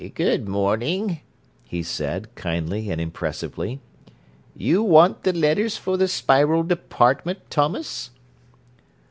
"Good morning," he said, kindly and impressively. "You want the letters for the Spiral department, Thomas?"